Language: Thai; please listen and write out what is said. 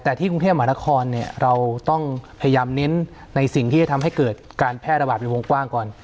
แต่ที่กรุงเทพมหานครเนี่ยเราต้องพยายามเน้นในสิ่งที่จะทำให้เกิดการแพร่ระบาดเป็นวงกว้างก่อน